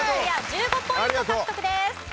１５ポイント獲得です。